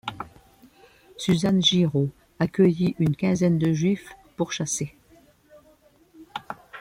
Suzanne Girault accueillit une quinzaine de Juifs pourchassés.